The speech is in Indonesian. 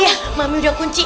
iya mami udah kunci